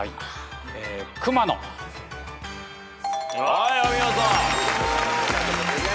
はいお見事！